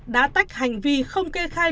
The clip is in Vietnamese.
đã tách hành vi không kê khai